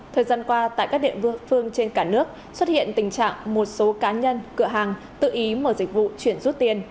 thời gian qua tại các địa phương trên cả nước xuất hiện tình trạng một số cá nhân cửa hàng tự ý mở dịch vụ chuyển rút tiền